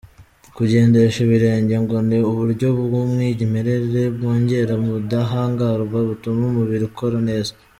Kugendesha ibirenge ngo ni uburyo bw’umwimerere bwongera ubudahangarwa butuma umubiri ukora neza.